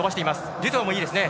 デュトワもいいですね。